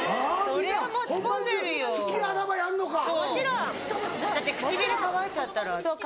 そうだって唇乾いちゃったら。